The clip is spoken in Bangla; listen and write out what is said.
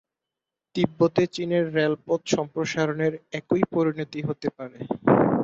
তিব্বতে চীনের রেলপথ সম্প্রসারণের একই পরিণতি হতে পারে।